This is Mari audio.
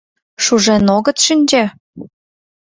Шужен огыт шинче?